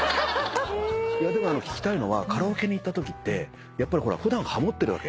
でもあの聞きたいのはカラオケに行ったときって普段ハモってるわけ？